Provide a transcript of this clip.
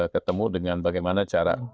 ketemu dengan bagaimana cara